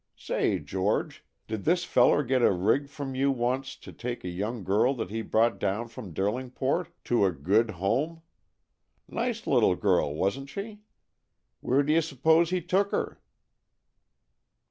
Say, George, did this feller get a rig from you once to take a young girl that he brought down from Derlingport, to a 'good home'? Nice little girl, wasn't she? Where d'you suppose he took her?